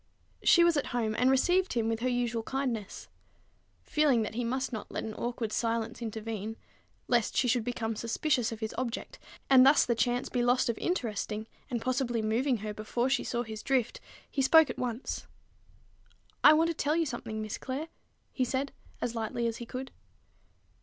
She was at home, and received him with her usual kindness. Feeling that he must not let an awkward silence intervene, lest she should become suspicious of his object, and thus the chance be lost of interesting, and possibly moving her before she saw his drift, he spoke at once. "I want to tell you something, Miss Clare," he said as lightly as he could.